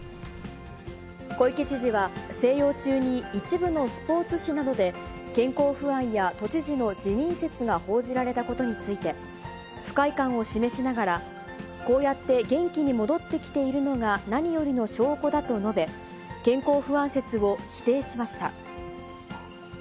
小池知事は、静養中に、一部のスポーツ紙などで、健康不安や都知事の辞任説が報じられたことについて、不快感を示しながら、こうやって元気に戻ってきているのが何よりの証拠だと述べ、健康不安説を否定しました。